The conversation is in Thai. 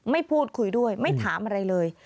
ไม่พูดคุยด้วยไม่ถามอะไรเลย